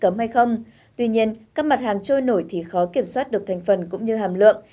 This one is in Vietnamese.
cấm hay không tuy nhiên các mặt hàng trôi nổi thì khó kiểm soát được thành phần cũng như hàm lượng